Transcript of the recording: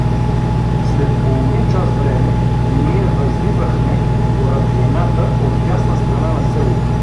След половин час време ние възвивахме по рътлината, от дясна страна на селото.